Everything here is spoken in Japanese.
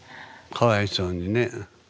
かわいそうにね。